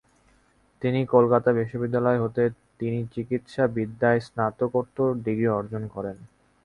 তিনি কলকাতা বিশ্ববিদ্যালয় হতে তিনি চিকিৎসাবিদ্যায় স্নাতকোত্তর ডিগ্রী অর্জন করেন।